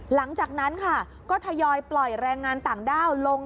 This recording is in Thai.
หลังจากนั้นค่ะก็ทยอยปล่อยแรงงานต่างด้าวลง